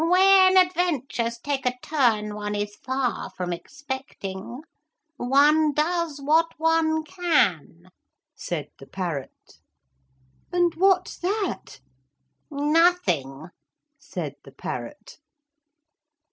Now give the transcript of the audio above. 'When adventures take a turn one is far from expecting, one does what one can,' said the parrot. 'And what's that?' 'Nothing,' said the parrot.